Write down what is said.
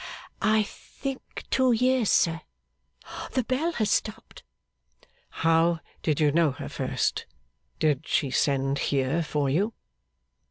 'I think two years, sir, The bell has stopped.' 'How did you know her first? Did she send here for you?